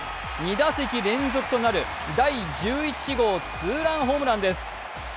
２打席連続となる第１１号ツーランホームランです